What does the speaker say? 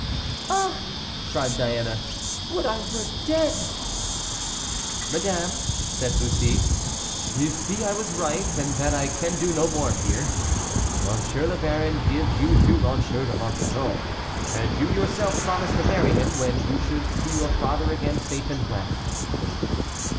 "Ah!" cried Diana, "would I were dead!" "Madame," said Bussy, "you see I was right, and that I can do no more here. M. le Baron gives you to M. de Monsoreau, and you yourself promised to marry him when you should see your father again safe and well."